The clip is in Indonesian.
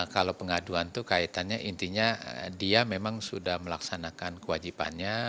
kalau pengaduan itu kaitannya intinya dia memang sudah melaksanakan kewajibannya